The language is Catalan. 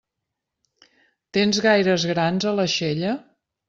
Tens gaires grans a l'aixella?